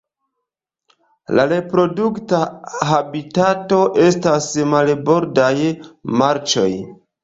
La reprodukta habitato estas marbordaj marĉoj.